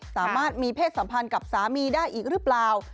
สามารถมีเพศสัมพันธ์กับสามีได้อีกหรือเปล่า